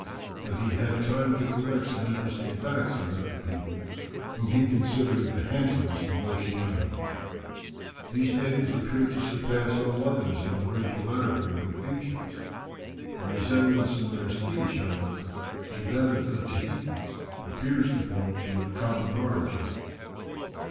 But he had time to collect some interesting facts about the people, whom he considered the handsomest in Oceania. These natives appear to surpass all others in the regularity of their features. The resemblance in their speech, however, to that of the Tahitans, appears to point to a common origin.